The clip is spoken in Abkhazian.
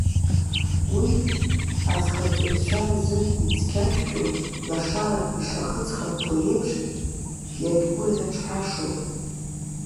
Уи, азхаҵаҩцәа рзы ицқьашәқьоу лашарак ишахыҵхырҭоу еиԥш, игьгәырӷьаҽҳәашоуп.